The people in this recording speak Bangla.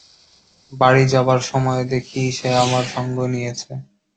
বাড়ি যাবার সময় দেখি, সে আমার সঙ্গ নিয়েছে।